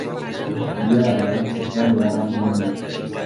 Dia adalah putra Yarramundi.